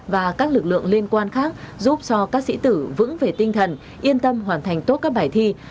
và các lực lượng liên quan khác giúp cho các sĩ tử vững về tinh thần yên tâm hoàn thành tốt các bài thi